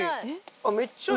あっ、めっちゃいい。